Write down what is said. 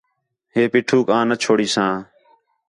ہے پیٹھوک آں نہ چھوڑیساں